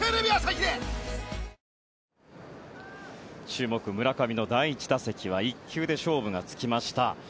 注目、村上の第１打席は１球で勝負がつきました。